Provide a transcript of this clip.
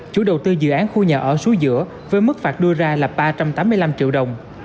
chủ đầu tư dự án khu nhà ở suối giữa với mức phạt đưa ra là ba trăm tám mươi năm triệu đồng